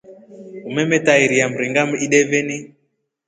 Umemetrairia Mringa ideveni.